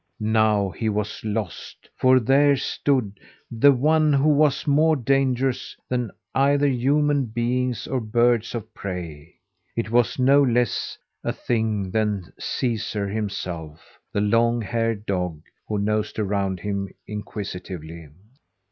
Now he was lost; for there stood the one who was more dangerous than either human beings or birds of prey. It was no less a thing than Caesar himself the long haired dog who nosed around him inquisitively.